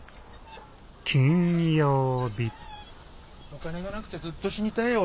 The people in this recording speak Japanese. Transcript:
お金がなくてずっと死にたいよ